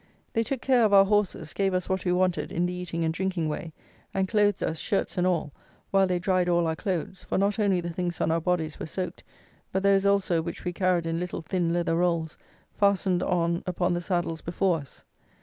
They took care of our horses, gave us what we wanted in the eating and drinking way, and clothed us, shirts and all, while they dried all our clothes; for not only the things on our bodies were soaked, but those also which we carried in little thin leather rolls, fastened on upon the saddles before us.